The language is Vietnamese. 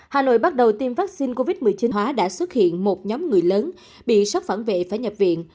hà nội bắt đầu tiêm vaccine covid một mươi chín hóa đã xuất hiện một nhóm người lớn bị sốc phản vệ phải nhập viện